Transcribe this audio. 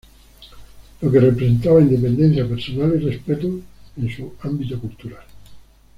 Lo que representaba independencia personal y respeto en su ámbito cultural.